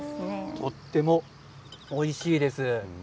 とてもおいしいです。